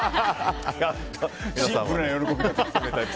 シンプルな喜びでしたね。